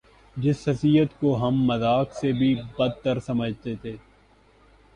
جس حیثیت کو ہم مذاق سے بھی بد تر سمجھتے تھے۔